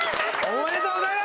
おめでとうございます。